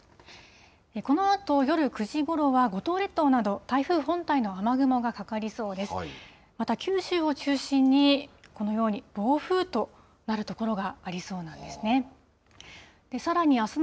このあと夜９時ごろは、五島列島など、台風本体の雨雲がかかりそうです。